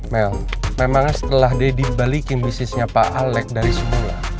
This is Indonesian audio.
mel memangnya setelah deddy balikin bisnisnya pak alex dari semula